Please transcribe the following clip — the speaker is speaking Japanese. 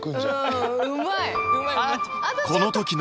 うんうまい！